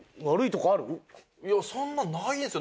いやそんなないですよ。